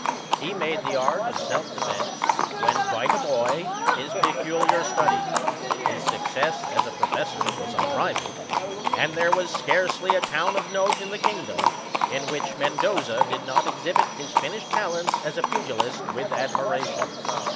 He made the art of self defence, when quite a boy, his peculiar study, ŌĆö his success, as a professor, was un rivalled, ŌĆö and there was scarcely a town of note in the kingdom in which Mendoza did not exhibit his finished talents as a pugilist with admiration.